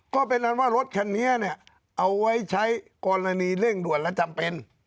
ก็เป็นอันว่ารถคันนี้เนี่ยเอาไว้ใช้กรณีเร่งด่วนและจำเป็น